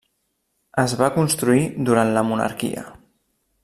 Es va construir durant la monarquia.